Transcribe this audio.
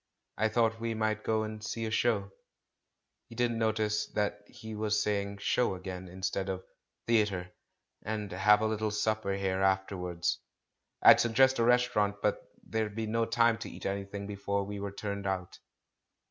I thought we might go and see a show" — he didn't notice that he was saying "show" again, instead of "theatre" — "and have a little supper here afterwards. I'd suggest a restaurant, but there'd be no time to eat anything before we were turned out."